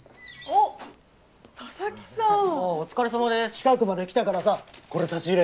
近くまで来たからさこれ差し入れ。